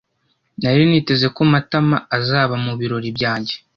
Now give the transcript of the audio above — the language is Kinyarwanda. Nari niteze ko Matama azaba mubirori byanjye.